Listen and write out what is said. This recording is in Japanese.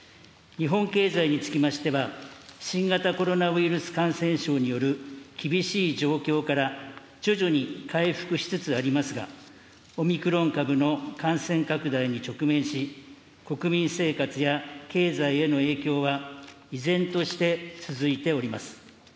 日本経済につきましては、新型コロナウイルス感染症による厳しい状況から徐々に回復しつつありますが、オミクロン株の感染拡大に直面し、国民生活や経済への影響は依然として続いております。